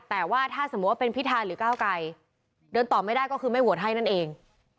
แต่ว่าถ้าสมมุติว่าเป็นพิธาหรือก้าวไกลเดินต่อไม่ได้ก็คือไม่โหวตให้นั่นเอง